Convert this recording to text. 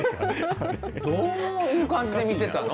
どういう感じで見てたの？